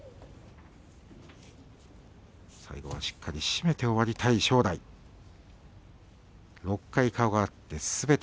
最後はしっかり締めて終わりたい正代です。